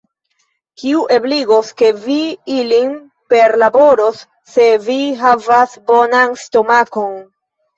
Kiu ebligos, ke vi ilin perlaboros, se vi havas bonan stomakon.